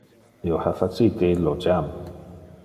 Io ha facite illo jam.